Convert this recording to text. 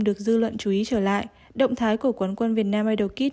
được dư luận chú ý trở lại động thái của quán quân việt nam idol kids